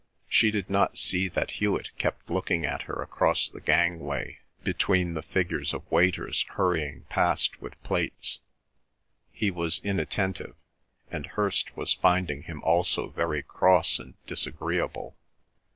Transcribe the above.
She did not see that Hewet kept looking at her across the gangway, between the figures of waiters hurrying past with plates. He was inattentive, and Hirst was finding him also very cross and disagreeable.